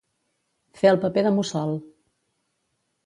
Fer el paper de mussol.